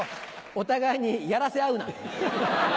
お互いにやらせ合うな。